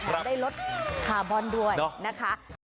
ถามได้รถคาร์บอนด้วยนะคะ